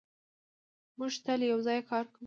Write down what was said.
موږ تل یو ځای کار کوو.